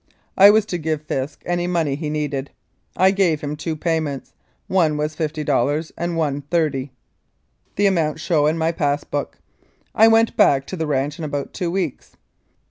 I was to give Fisk any money he needed. I gave him two payments one was $50 and one $30. The amounts show in my pass book. I went back to the ranch in about two weeks.